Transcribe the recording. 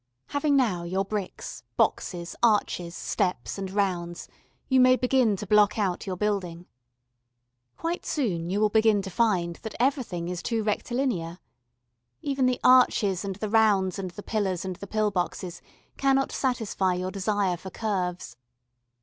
Having now your bricks, boxes, arches, steps, and rounds, you may begin to block out your building. Quite soon you will begin to find that everything is too rectilinear. Even the arches and the rounds and the pillars and the pill boxes cannot satisfy your desire for curves.